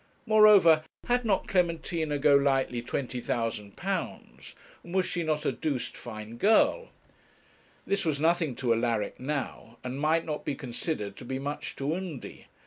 Moreover, had not Clementina Golightly £20,000, and was she not a 'doosed fine girl?' This was nothing to Alaric now, and might not be considered to be much to Undy.